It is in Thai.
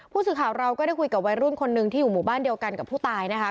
ผู้สื่อข่าวเราก็ได้คุยกับวัยรุ่นคนหนึ่งที่อยู่หมู่บ้านเดียวกันกับผู้ตายนะคะ